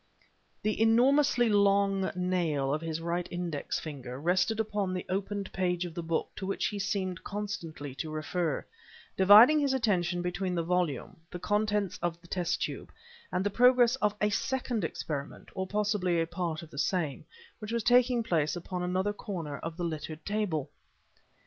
The enormously long nail of his right index finger rested upon the opened page of the book to which he seemed constantly to refer, dividing his attention between the volume, the contents of the test tube, and the progress of a second experiment, or possibly a part of the same, which was taking place upon another corner of the littered table.